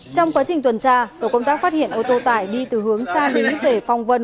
trong quá trình tuần tra tổ công tác phát hiện ô tô tải đi từ hướng xa đến nước về phong vân